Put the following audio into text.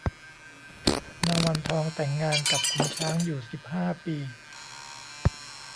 นางวันทองแต่งงานกับขุนช้างอยู่สิบห้าปี